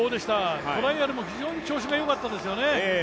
トライアルも非常に調子がよかったですよね。